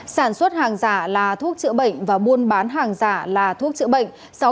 sản xuất hàng giả là thuốc chữa bệnh và buôn bán hàng giả là thuốc chữa bệnh